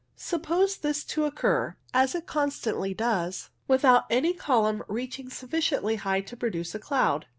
Suppose this to occur, as it constantly does, without any column reaching sufficiently high to produce a cloud.